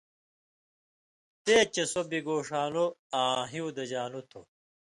(تے چے) سو بِگوݜان٘لو آں ہیُودژان٘لو تھُو۔